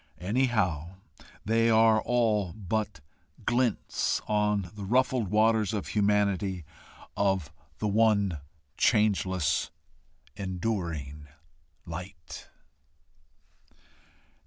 Anyhow, they are all but glints on the ruffled waters of humanity of the one changeless enduring Light.